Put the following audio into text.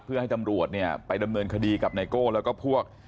เพื่อให้ตำรวจเนี่ยไปดำเนินคดีกับไนโก้แล้วก็พวก